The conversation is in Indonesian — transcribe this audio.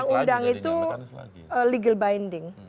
undang undang itu legal binding